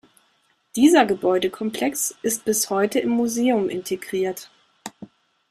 Dieser Gebäudekomplex ist bis heute im Museum integriert.